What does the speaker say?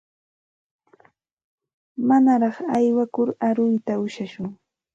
Manaraq aywakur aruyta ushashun.